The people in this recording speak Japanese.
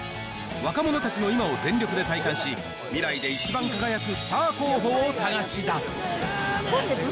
若者たちの今を全力で体感し、未来でイチバン輝くスター候補を探し出す。